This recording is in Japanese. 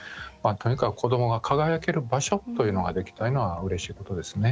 とにかく子どもが輝ける場所というのが、できたのはうれしいことですね。